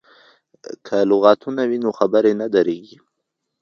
که لغتونه وي نو خبرې نه دریږي.